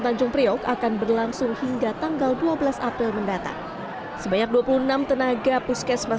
tanjung priok akan berlangsung hingga tanggal dua belas april mendatang sebanyak dua puluh enam tenaga puskesmas